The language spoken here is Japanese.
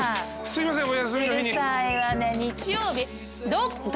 すいません。